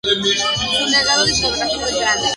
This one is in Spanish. Su legado discográfico es grande.